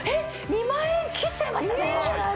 ２万円切っちゃいましたか？